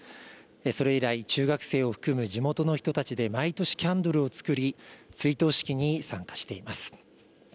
それ以来、中学生を含む地元の人たちで毎年キャンドルを作り、追悼式に参加しています。